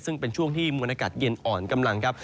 ซึ่งเป็นช่วงที่มวลอากาศเย็นอ่อนกำลังครับ